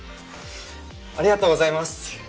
ありがとうございます。